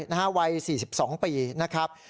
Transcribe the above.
วัย๔๒ปีนะครับ